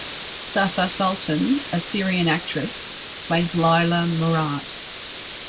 Safa Sultan, a Syrian actress, plays Leila Mourad.